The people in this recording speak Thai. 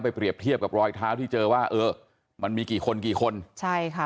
เปรียบเทียบกับรอยเท้าที่เจอว่าเออมันมีกี่คนกี่คนใช่ค่ะ